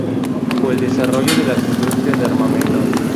O el desarrollo de las industrias de armamento.